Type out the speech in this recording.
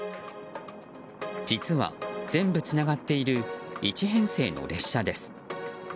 実は全部つながっている１編成の列車です。